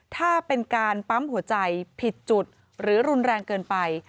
ถ้าเป็นการปั๊มหัวใจผิดจุดหรือรุนแรงเกินไป